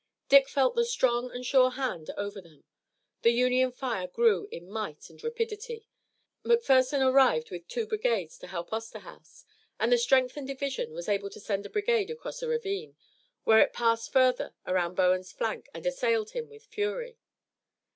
Dick felt the strong and sure hand over them. The Union fire grew in might and rapidity. McPherson arrived with two brigades to help Osterhaus, and the strengthened division was able to send a brigade across a ravine, where it passed further around Bowen's flank and assailed him with fury.